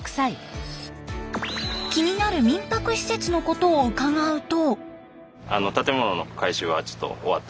気になる民泊施設のことを伺うと。